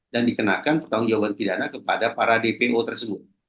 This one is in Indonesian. dan dikenakan pertanggungjawaban pidana kepada para dpo tersebut